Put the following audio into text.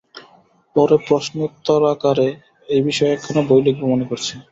পরে প্রশ্নোত্তরাকারে এই বিষয়ে একখানা বই লিখব মনে করছি।